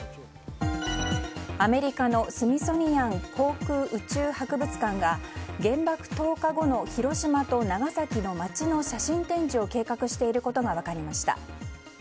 アメリカのスミソニアン航空宇宙博物館が原爆投下後の広島と長崎の街の写真展示を計画していることが分かりました。